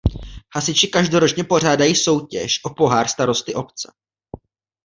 Hasiči každoročně pořádají soutěž „O pohár starosty obce“.